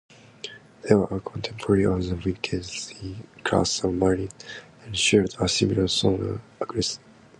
They were a contemporary of the Whiskey-class submarines and shared a similar sonar arrangement.